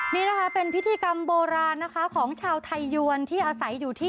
นี่นะคะเป็นพิธีกรรมโบราณนะคะของชาวไทยยวนที่อาศัยอยู่ที่